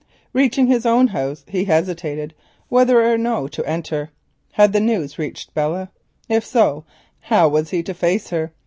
Reaching his own house he hesitated whether or not to enter. Had the news reached Belle? If so, how was he to face her?